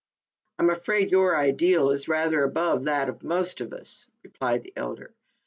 " I'm afraid your ideal is rather above that of most of us," replied the elder.